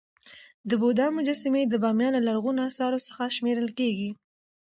د بودا مجسمي د بامیان له لرغونو اثارو څخه شمېرل کيږي.